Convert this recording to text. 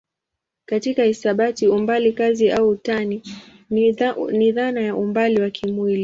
Katika hisabati umbali kazi au tani ni dhana ya umbali wa kimwili.